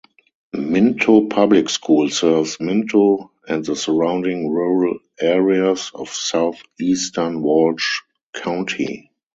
Minto Public School serves Minto and the surrounding rural areas of southeastern Walsh County.